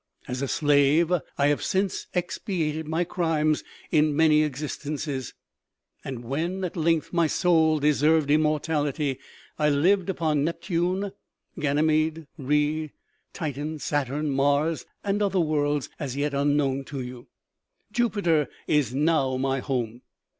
As a slave, I have since expiated my crimes in many existences, and when at length my soul deserved immortality I lived upon Nep tune, Ganymede, Rhea, Titan, Saturn, Mars, and other worlds as yet unknown to you. Jupiter is now my home.